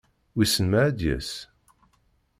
Wissen ma ad d-yas.